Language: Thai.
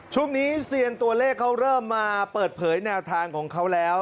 ช่วงนี้เซียนตัวเลขเขาเริ่มมาเปิดเผยแนวทางของเขาแล้ว